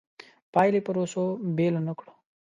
پایلې پروسو بېلې نه کړو.